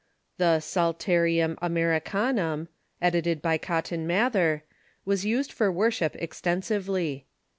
The " Psalterium Ameri canum," edited by Cotton Mather, was used for worship ex tensively.